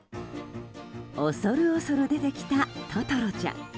恐る恐る出てきたととろちゃん。